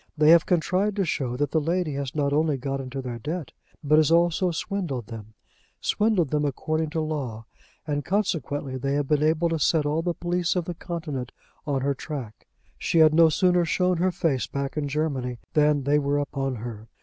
They have contrived to show that the lady has not only got into their debt, but has also swindled them, swindled them according to law, and consequently they have been able to set all the police of the continent on her track. She had no sooner shown her face back in Germany, than they were upon her.